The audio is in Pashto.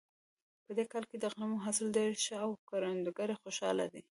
په دې کال کې د غنمو حاصل ډېر ښه و او کروندګر خوشحاله دي